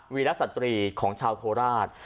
วีรักษณะสตรีของชาวโทราช